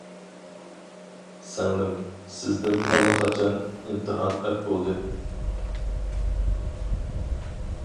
سىڭلىم، سىزدىن ئاللىقاچان ئىمتىھان ئەپ بولدى.